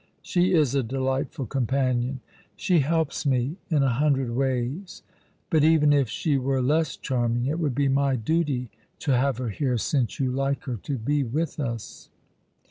She is a delightful companion. She helps mo in a hundred ways. Bat even if she were less charming it would be my duty to have her here since you like her to be with us."